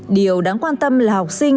điều đáng quan tâm là học sinh